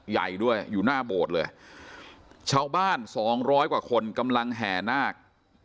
ใหญ่ด้วยอยู่หน้าโบสถ์เลยชาวบ้านสองร้อยกว่าคนกำลังแห่นาค